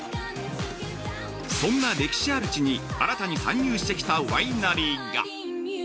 そんな歴史ある地に新たに参入してきたワイナリーが。